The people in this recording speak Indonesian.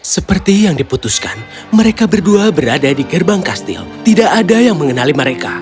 seperti yang diputuskan mereka berdua berada di gerbang kastil tidak ada yang mengenali mereka